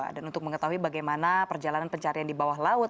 dan untuk mengetahui bagaimana perjalanan pencarian di bawah laut